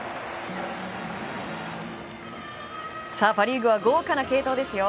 パ・リーグは豪華な継投ですよ。